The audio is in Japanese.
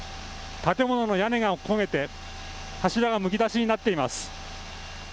建物の屋根が焦げて柱がむき出しになっています。